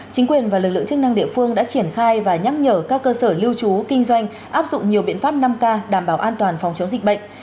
chính quyền và lực lượng chức năng địa phương đã triển khai và nhắc nhở các cơ sở lưu trú kinh doanh áp dụng nhiều biện pháp năm k đảm bảo an toàn phòng chống dịch bệnh